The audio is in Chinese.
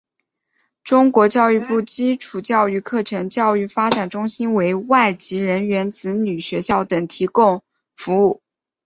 中国教育部基础教育课程教材发展中心为外籍人员子女学校等提供服务。